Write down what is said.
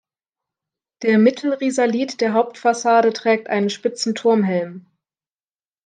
Der Mittelrisalit der Hauptfassade trägt einen spitzen Turmhelm.